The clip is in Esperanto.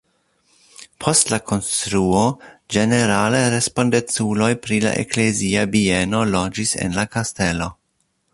Post la konstruo ĝenerale respondeculoj pri la eklezia bieno loĝis en la kastelo.